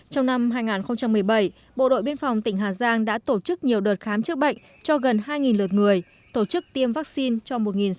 trong năm hai nghìn một mươi bảy bộ đội biên phòng tỉnh hà giang đã tổ chức nhiều đợt khám chữa bệnh cho gần hai lượt người tổ chức tiêm vaccine cho một người